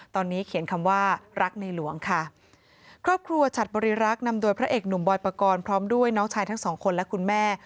ตอนนี้เขียนคำว่ารักในหลวงค่ะครอบครัวฉัดบริรักษ์นำโดยพระเอกหนุ่มบอยปกรณ์พร้อมด้วยน้องชายทั้งสองคนและคุณแม่